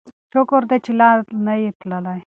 شکر دی چې ته لا نه یې تللی.